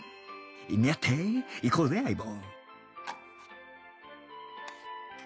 見合っていこうぜ相棒